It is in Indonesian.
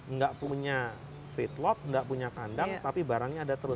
tidak punya feedlot tidak punya kandang tapi barangnya ada terus